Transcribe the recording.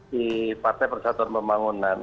di partai persatuan pembangunan